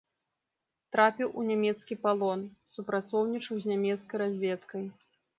Трапіў у нямецкі палон, супрацоўнічаў з нямецкай разведкай.